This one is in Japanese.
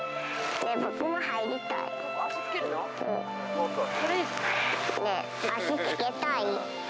僕も入りたい。